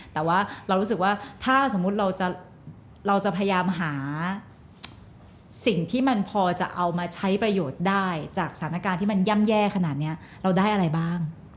แต่ว่าเรารู้สึกว่าถ้าสมมุติเราจะพยายามหาสิ่งที่มันพอจะเอามาใช้ประโยชน์ได้จากสถานการณ์ที่มันย่ำแย่ขนาดนี้เราได้อะไรบ้าง